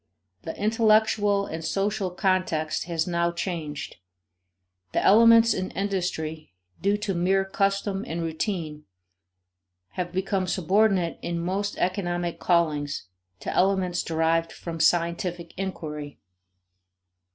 The intellectual and social context has now changed. The elements in industry due to mere custom and routine have become subordinate in most economic callings to elements derived from scientific inquiry.